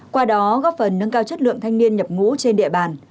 qua đó góp phần nâng cao chất lượng thanh niên nhập ngũ trên địa bàn